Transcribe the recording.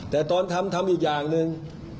แต่ตอนทำทำอีกอย่างหนึ่ง